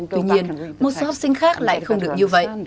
tuy nhiên một số học sinh khác lại không được như vậy